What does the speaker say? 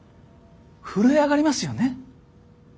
震え上がりますよね。